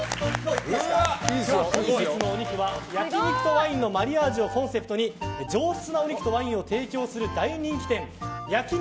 本日のお肉は焼き肉とワインのマリアージュをコンセプトに、上質なお肉とワインを提供する大人気店焼肉